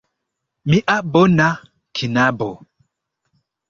Mia bona "knabo"!